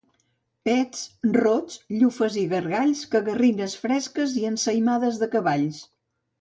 Pets, rots, llufes i gargalls, cagarrines fresques i ensaïmades de cavalls.